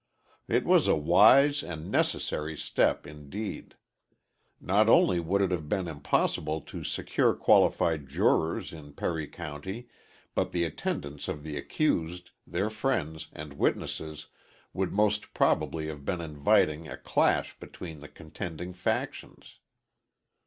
It was a wise and necessary step indeed. Not only would it have been impossible to secure qualified jurors in Perry County, but the attendance of the accused, their friends and witnesses would most probably have invited a clash between the contending factions.